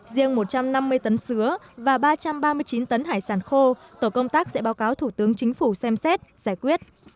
riêng một trăm năm mươi tấn xúa và ba trăm ba mươi chín tấn hải sản khô tổ công tác sẽ báo cáo thủ tướng chính phủ xem xét giải quyết